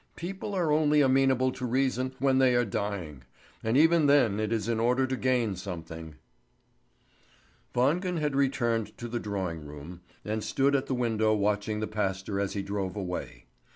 "People are only amenable to reason when they are dying; and even then it is in order to gain something." Wangen had returned to the drawing room, and stood at the window watching the pastor as he drove away.